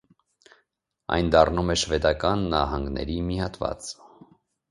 Այն դառնում է շվեդական նահանգների մի հատված։